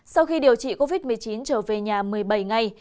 sau khi điều trị covid một mươi chín trở về nhà một mươi bảy ngày